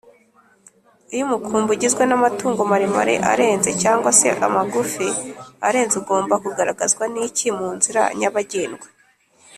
iyo umukumbi ugizwe n’amatungo maremare arenze cg se amagufi arenze ugomba kugaragazwa n’iki munzira nyabagendwa